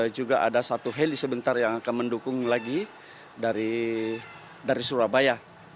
juga ada satu heli sebentar yang akan mendukung lagi dari surabaya